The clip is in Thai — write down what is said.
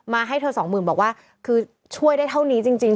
ให้เธอสองหมื่นบอกว่าคือช่วยได้เท่านี้จริง